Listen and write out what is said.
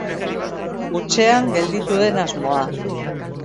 Hutsean gelditu den asmoa.